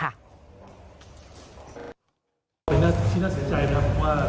และพี่น้องก็ยังเป็นหนึ่งคนที่ให้กับตำรวจบิน